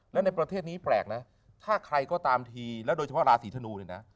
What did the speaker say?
และในประเทศนี้แปลกนะถ้าใครก็ตามทีแล้วโดยเฉพาะราศีธนูเนี่ยนะ